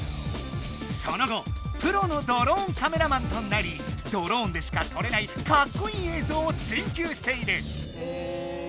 その後プロのドローンカメラマンとなりドローンでしか撮れないかっこいい映像を追求している。